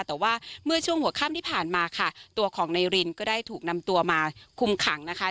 แต่ว่าเมื่อช่วงหัวค่ำที่ผ่านมาค่ะตัวของนายรินก็ได้ถูกนำตัวมาคุมขังนะคะ